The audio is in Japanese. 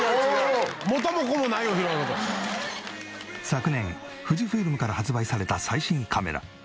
昨年富士フイルムから発売された最新カメラ。